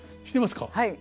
はい。